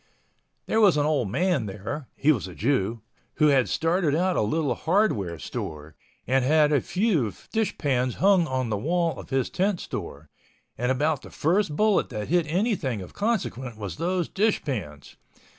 There was an old man there—(he was a Jew)—who had started a little hardware store, and had a few dish pans hung on the wall of his tent store, and about the first bullet that hit anything of consequence was those dish pans.